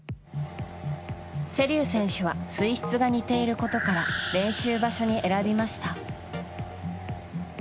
瀬立選手は水質が似ていることから練習場所に選びました。